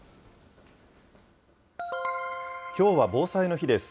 きょうは防災の日です。